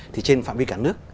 thì trên phạm vi cả nước